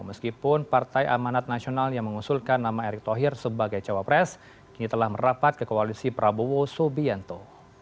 meskipun partai amanat nasional yang mengusulkan nama erick thohir sebagai cawapres kini telah merapat ke koalisi prabowo subianto